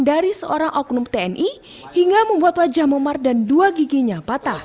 dari seorang oknum tni hingga membuat wajah memar dan dua giginya patah